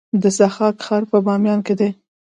د ضحاک ښار په بامیان کې دی